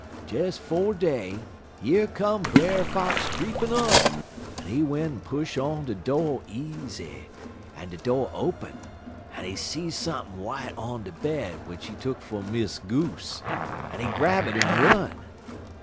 "Des 'fo' day, yer come Brer Fox creepin' up, en he went en push on de do' easy, en de do' open, en he see sump'n' w'ite on de bed w'ich he took fer Miss Goose, en he grab it en run.